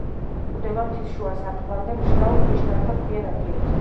გვხვდება მთის შუა სარტყლამდე მშრალ ქვიშნარ და ქვიან ადგილებზე.